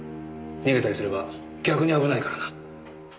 逃げたりすれば逆に危ないからな。